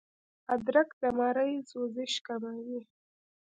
ادرک د مرۍ سوزش کموي